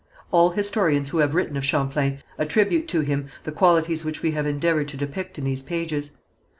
All historians who have written of Champlain attribute to him the qualities which we have endeavoured to depict in these pages.